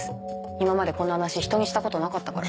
今までこんな話人にしたことなかったから。